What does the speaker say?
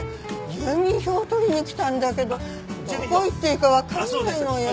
住民票を取りに来たんだけどどこ行っていいか分かんないのよ。